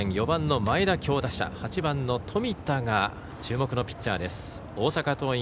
４番の前田強打者８番の冨田が注目のピッチャーです。